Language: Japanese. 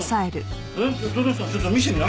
ちょっと診せてみな？